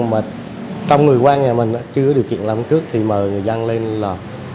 mà trong người quan nhà mình chưa có điều kiện làm cước thì mời người dân lên lò